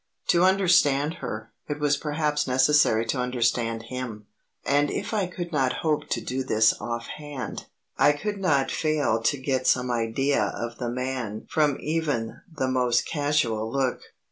To understand her, it was perhaps necessary to understand him, and if I could not hope to do this offhand, I could not fail to get some idea of the man from even the most casual look.